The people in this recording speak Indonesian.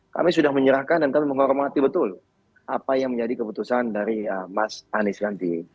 kami sudah menyerahkan dan kami menghormati betul apa yang menjadi keputusan dari mas anies nanti